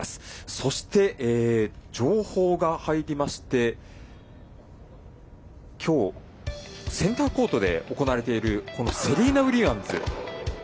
そして、情報が入りましてきょうセンターコートで行われているこのセリーナ・ウィリアムズ。